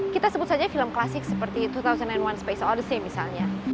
kita sebut saja film klasik seperti dua ribu satu space ordesain misalnya